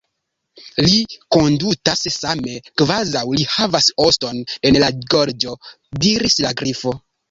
"Li kondutas same kvazaŭ li havas oston en la gorĝo," diris la Grifo.